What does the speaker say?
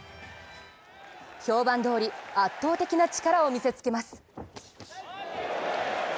評判どおり、圧倒的な力を見せつけます。